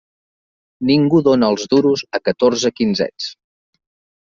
Ningú dóna els duros a catorze quinzets.